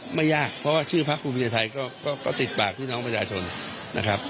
ไม่ยากเพราะว่าชื่อพักภูมิใจไทยก็ติดปากพี่น้องประชาชนนะครับ